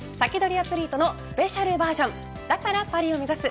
アツリートのスペシャルバージョンだからパリを目指す！